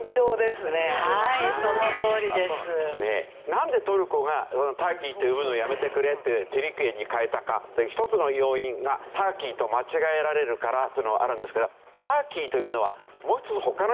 なんでトルコがターキーと呼ぶのをやめてくれってテュルキエに変えたかという一つの要因がターキーと間違えられるからというのはあるんですけどターキーというのはもう一つ他の意味があるんですね。